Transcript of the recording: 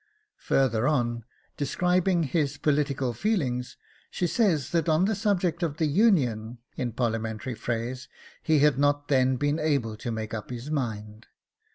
Further on, describing his political feelings, she says that on the subject of the Union in parliamentary phrase he had not then been able to make up his mind.